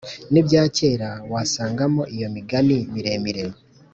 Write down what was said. n’ibya kera wasangamo iyo migani miremire.